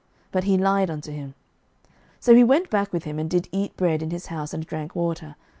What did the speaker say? But he lied unto him. 11:013:019 So he went back with him, and did eat bread in his house, and drank water.